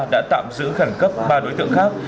đã tạm giữ khẳng cấp ba đối tượng khác